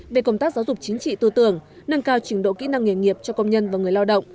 về công tác giáo dục chính trị tư tưởng nâng cao trình độ kỹ năng nghề nghiệp cho công nhân và người lao động